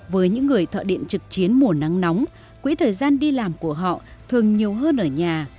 với những người thợ điện trực chiến mùa nắng nóng quỹ thời gian đi làm của họ thường nhiều hơn ở nhà